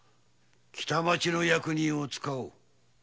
北町の役人を使おう。